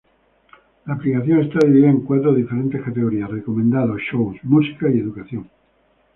La aplicación está dividida en cuatro diferentes categorías: "Recomendado", "Shows", "Música" y "Educación".